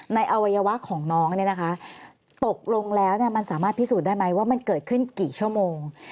อวัยวะของน้องเนี่ยนะคะตกลงแล้วมันสามารถพิสูจน์ได้ไหมว่ามันเกิดขึ้นกี่ชั่วโมง